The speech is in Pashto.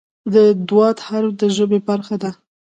د "ض" حرف د ژبې برخه ده.